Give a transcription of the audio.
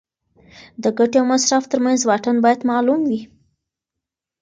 د ګټې او مصرف ترمنځ واټن باید معلوم وي.